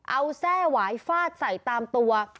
เอาแทร่หวายฟาดใส่ตามตัว